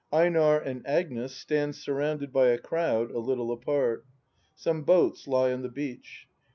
EiNAR and Agnes stand surrounded by a crowd, a little apart. Some boats lie on the beach.